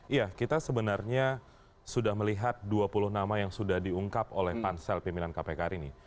iya kita sebenarnya sudah melihat dua puluh nama yang sudah diungkap oleh pansel pimpinan kpk hari ini